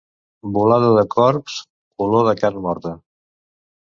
Volada de corbs, olor de carn morta.